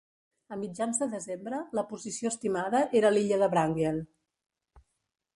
A mitjans de desembre, la posició estimada era l'illa de Wrangel.